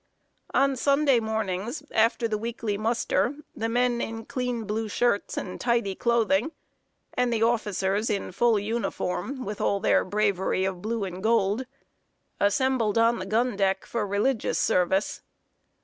On Sunday mornings, after the weekly muster, the men in clean blue shirts and tidy clothing, and the officers, in full uniform, with all their bravery of blue and gold, assembled on the gun deck for religious service.